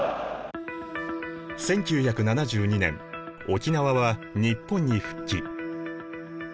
１９７２年沖縄は日本に復帰。